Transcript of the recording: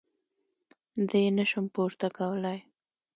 زه يې نه شم پورته کولاى.